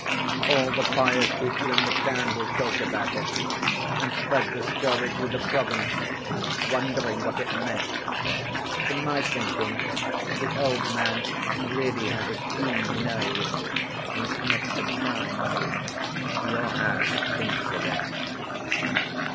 All the pious people in the town will talk about it and spread the story through the province, wondering what it meant. To my thinking the old man really has a keen nose; he sniffed a crime. Your house stinks of it."